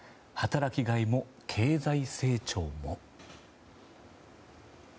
働きがいも経済成長も。